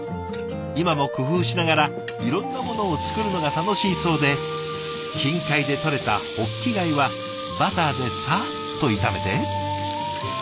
今も工夫しながらいろんなものを作るのが楽しいそうで近海でとれたホッキ貝はバターでさっと炒めて。